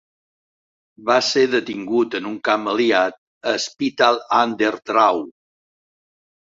Va ser detingut en un camp aliat a Spittal an der Drau.